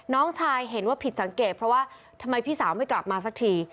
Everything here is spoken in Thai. น้องชายเห็นว่าผิดสังเกตเพราะว่าทำไมพี่สาวไม่กลับมาสักที